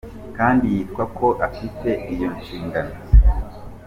Kandi yitwa ko afite iyo nshingano.